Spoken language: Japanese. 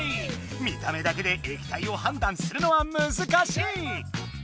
見た目だけで液体を判断するのはむずかしい！